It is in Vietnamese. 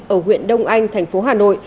ở huyện đông anh thành phố hà nội